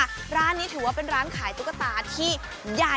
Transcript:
กับการเปิดลอกจินตนาการของเพื่อนเล่นวัยเด็กของพวกเราอย่างโลกของตุ๊กตา